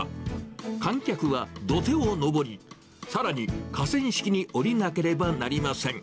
観客は土手を上り、さらに河川敷に下りなければなりません。